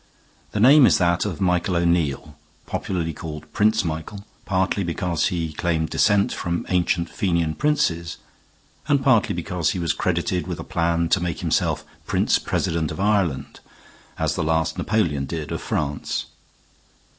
The name is that of Michael O'Neill, popularly called Prince Michael, partly because he claimed descent from ancient Fenian princes, and partly because he was credited with a plan to make himself prince president of Ireland, as the last Napoleon did of France.